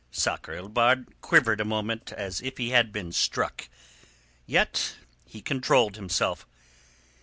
Sakr el Bahr quivered a moment as if he had been struck. Yet he controlled himself.